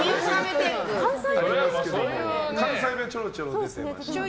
関西弁がちょいちょい出てましたね。